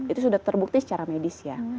itu sudah terbukti secara medis ya